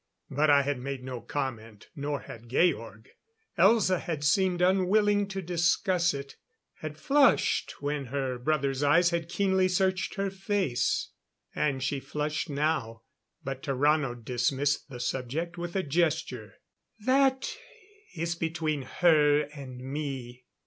But I had made no comment, nor had Georg. Elza had seemed unwilling to discuss it, had flushed when her brother's eyes had keenly searched her face. And she flushed now, but Tarrano dismissed the subject with a gesture. "That is between her and me....